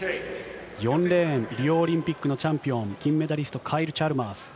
４レーン、リオオリンピックのチャンピオン、金メダリスト、カイル・チャルマース。